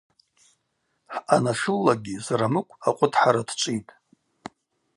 Хӏъанашыллакӏгьи Зарамыкв акъвытхӏара дчӏвитӏ.